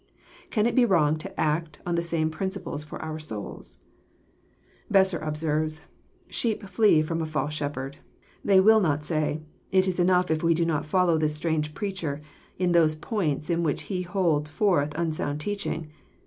Can it be wrong to acton the same principles for our souls ? Besser observes :" Sheep flee fk'om a false shepherd. They will not say, it is enough if we do not follow this strange preacher in those points in which he holds forth unsound teach ing.